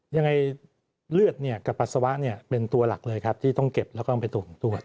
ยังไงเลือดกับปัสสาวะเป็นตัวหลักเลยครับที่ต้องเก็บแล้วก็ไปตรวจ